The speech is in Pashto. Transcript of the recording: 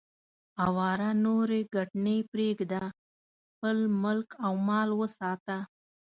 اواره نورې ګټنې پرېږده، خپل ملک او مال وساته.